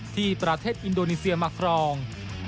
ที่ประเทศอินโดนีเซียมาครอง